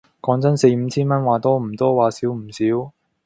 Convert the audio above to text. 講真，四五千蚊，話多唔多話少唔少